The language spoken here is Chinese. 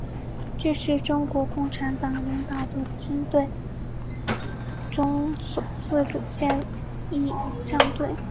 这是中国共产党领导的军队中首次组建仪仗队。